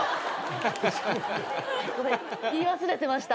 言い忘れてました。